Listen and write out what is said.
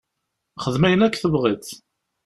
Xdem ayen akk tebɣiḍ.